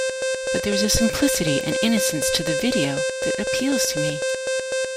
"But there's a simplicity and innocence to the video that appeals to me.